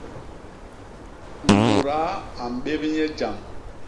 Mudaa a mbép nye jam.